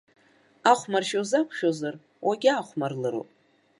Ахәмаршьа узақәшәозар, уагьаахәмарлароуп.